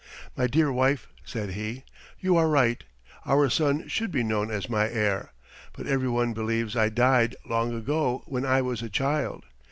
"My dear wife," said he, "you are right. Our son should be known as my heir; but every one believes I died long ago when I was a child.